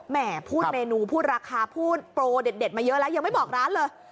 แม่พูดเมนูพูดราคาพูดโปรเด็ดมาเยอะแล้วยังไม่บอกร้านเลย